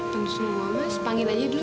penduk semua mas panggil aja dulu mbak